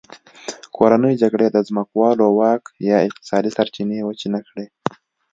کورنۍ جګړې د ځمکوالو واک یا اقتصادي سرچینې وچې نه کړې.